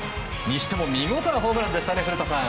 見事なホームランでしたね古田さん。